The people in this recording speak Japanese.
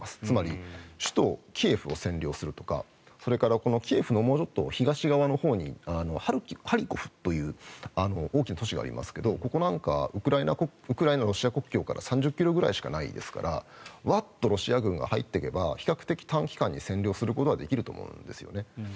つまり首都キエフを占領するとかそれからキエフのもうちょっと東側のほうにハリコフという大きな都市がありますけどここなんかウクライナ、ロシア国境から３０ｋｍぐらいしかないですからワッとロシア軍が入っていけば比較的短期間に占領することはできると思うんですね。